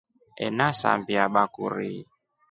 Enasambia bakuri.